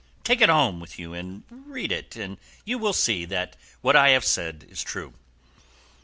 Take it home with you and read it, and you will see that what I have said is true."